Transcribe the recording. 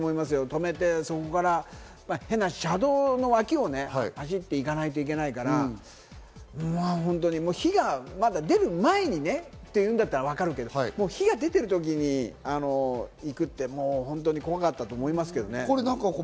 止めて、そこから車道の脇を走っていかないといけないから、火がまだ出る前にっていうんだったらわかるけど、火が出ている時に行くって本当に怖かったと思いますけどね。